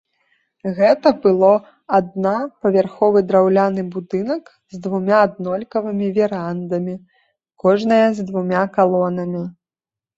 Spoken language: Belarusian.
Гэта было адна павярховы драўляны будынак з двума аднолькавымі верандамі, кожная з двумя калонамі.